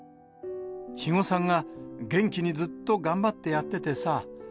肥後さんが、元気にずっと頑張ってやっててさ。